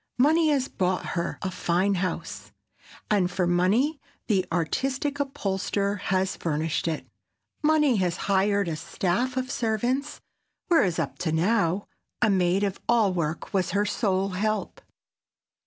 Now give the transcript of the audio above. Money has bought her fine house, and for money the artistic upholsterer has furnished it. Money has hired a staff of servants, whereas up to now, a maid of all work was her sole "help."